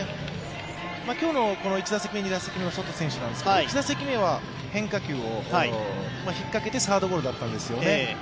今日の１打席目、２打席目のソト選手ですけど、１打席目は変化球をひっかけてサードゴロだったんですよね。